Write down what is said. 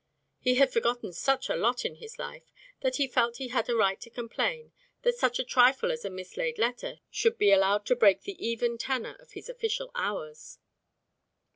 He had forgotten such a lot in his life that he felt he had a right to complain that such a trifle as a mislaid letter should be allowed to break the even tenor of his official hours.